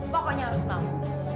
pokoknya harus bangun